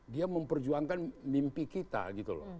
dia memperjuangkan mimpi kita gitu loh